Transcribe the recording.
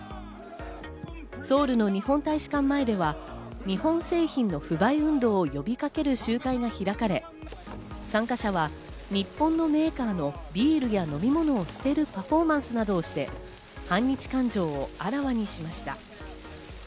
ソウルの日本大使館前では日本製品の不買運動を呼びかける集会が開かれ、参加者は日本のメーカーのビールや飲み物を捨てるパフォーマンスなどをして、反日感情をあらわにしました。